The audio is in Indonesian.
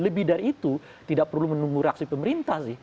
lebih dari itu tidak perlu menunggu reaksi pemerintah sih